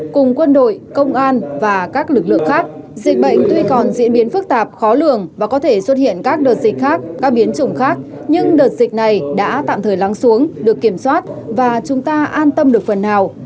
cùng quân đội công an và các lực lượng khác dịch bệnh tuy còn diễn biến phức tạp khó lường và có thể xuất hiện các đợt dịch khác các biến chủng khác nhưng đợt dịch này đã tạm thời lắng xuống được kiểm soát và chúng ta an tâm được phần nào